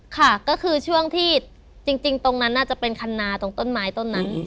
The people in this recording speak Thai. ค่ะก็คือช่วงที่จริงตรงนั้นน่าจะเป็นคันนาตรงต้นไม้ต้นนั้น